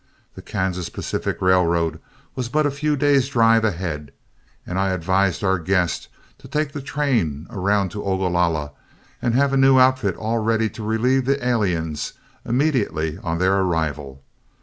The Kansas Pacific Railroad was but a few days' drive ahead, and I advised our guest to take the train around to Ogalalla and have a new outfit all ready to relieve the aliens immediately on their arrival.